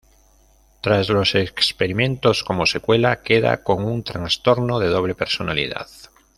Tras los experimentos, como secuela queda con un trastorno de doble personalidad.